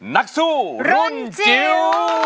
นักสู้รุ่นจิ๋ว